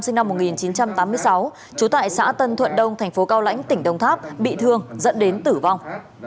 sinh năm một nghìn chín trăm tám mươi sáu trú tại xã tân thuận đông thành phố cao lãnh tỉnh đồng tháp bị thương dẫn đến tử vong